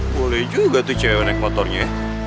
boleh juga tuh cewek naik motornya